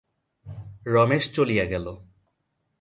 রমেশ চলিয়া গেল।